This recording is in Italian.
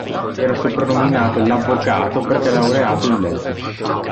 Era soprannominato "l'Avvocato" perché laureato in Legge.